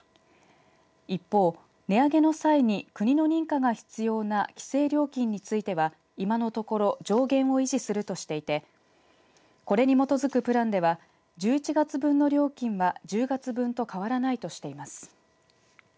一方、値上げの際に国の認可が必要な規制料金については今のところ上限を維持するとしていてこれに基づくプランでは１１月分の料金は１０月分と変わらないとしています。